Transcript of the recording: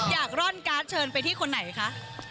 กร่อนการ์ดเชิญไปที่คนไหนคะ